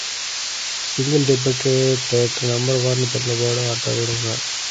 The single debuted at number one on Billboard's Hot Country Songs.